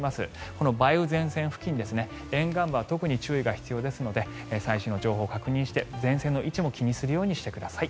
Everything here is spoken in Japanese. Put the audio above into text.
この梅雨前線付近、沿岸部は特に注意が必要ですので最新の情報を確認して前線の位置も気にするようにしてください。